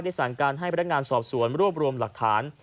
สั่งการให้พนักงานสอบสวนรวบรวมหลักฐาน